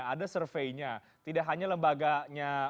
ada surveinya tidak hanya lembaganya